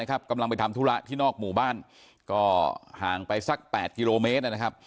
คำลังไปทำธุระข้างไปสัก๘กิโลเมตร